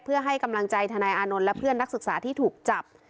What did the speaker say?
เพื่อให้กำลังใจทนายอานนท์และเพื่อนนักศึกษาที่ถูกจับ